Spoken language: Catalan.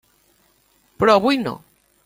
Però avui no.